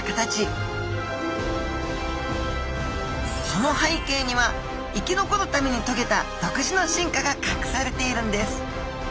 その背景には生き残るためにとげた独自の進化が隠されているんです！